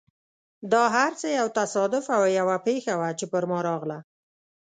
دا هر څه یو تصادف او یوه پېښه وه، چې په ما راغله.